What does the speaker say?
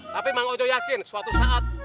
tapi memang saya yakin suatu saat